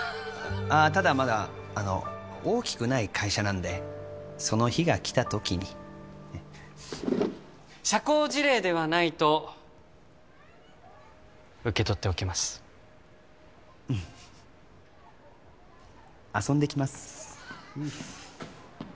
ただまだ大きくない会社なのでその日がきた時に社交辞令ではないと受け取っておきます遊んできます